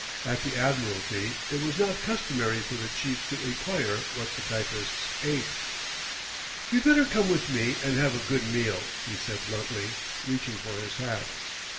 At the Admiralty it was not customary for the chiefs to enquire what the typists ate. "You'd better come with me and have a good meal," he said bluntly, reaching for his hat.